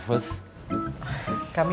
itu depressing dari kamu